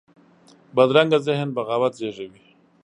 بدرنګه ذهن بغاوت زېږوي